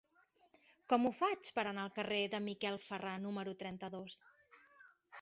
Com ho faig per anar al carrer de Miquel Ferrà número trenta-dos?